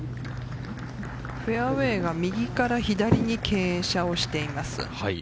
フェアウエーが右から左に傾斜をしています。